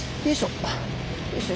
よいしょ！